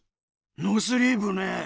ノースリーブね。